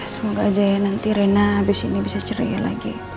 semoga aja ya nanti rena habis ini bisa ceria lagi